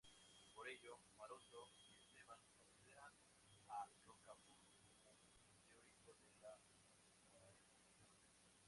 Por ello Maroto y Esteban consideran a Rocafull como un teórico de la disuasión.